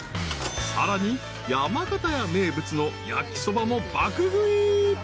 ［さらに山形屋名物の焼きそばも爆食い］